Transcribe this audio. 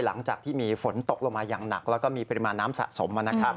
หลังจากที่มีฝนตกลงมาอย่างหนักแล้วก็มีปริมาณน้ำสะสมนะครับ